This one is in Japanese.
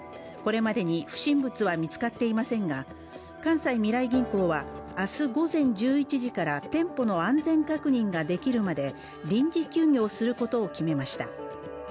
これまでに不審物は見つかっていませんが、関西みらい銀行は明日午前１１時から店舗の安全確認ができるまで、臨時休業することを決めました